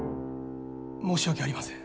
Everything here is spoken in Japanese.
申し訳ありません。